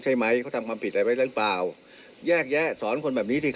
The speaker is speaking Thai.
เข้ากับการเป็นรัฐบาลไม่ได้